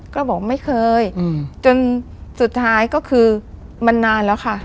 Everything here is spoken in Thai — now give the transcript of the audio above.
ก็บอกไม่เคยจนสุดท้ายก็คือมันนานแล้วค่ะ